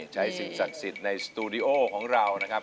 ใช้สินสักสิทธิ์ในสตูดิโอของเรานะครับ